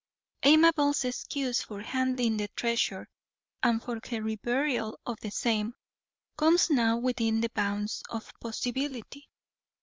Amabel's excuse for handling the treasure, and for her reburial of the same, comes now within the bounds of possibility.